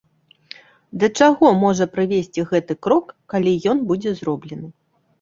Да чаго можа прывесці гэты крок, калі ён будзе зроблены?